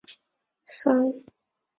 总部设于澳洲布里斯本。